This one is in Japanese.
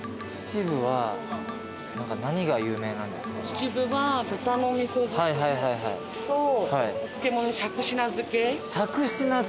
秩父は豚の味噌漬けとお漬物しゃくしな漬。